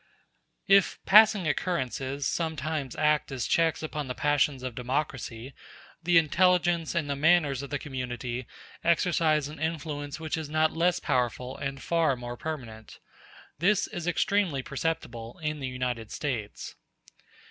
If passing occurrences sometimes act as checks upon the passions of democracy, the intelligence and the manners of the community exercise an influence which is not less powerful and far more permanent. This is extremely perceptible in the United States.